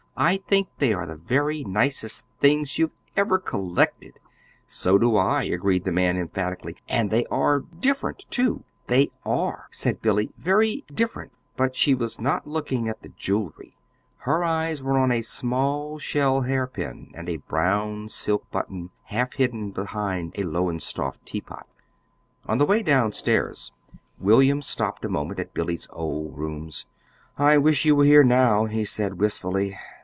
"I think they are the very nicest things you ever collected." "So do I," agreed the man, emphatically. "And they are different, too." "They are," said Billy, "very different." But she was not looking at the jewelry: her eyes were on a small shell hairpin and a brown silk button half hidden behind a Lowestoft teapot. On the way down stairs William stopped a moment at Billy's old rooms. "I wish you were here now," he said wistfully.